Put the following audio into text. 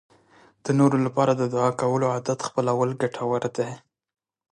د نورو لپاره د دعا کولو عادت خپلول ګټور دی.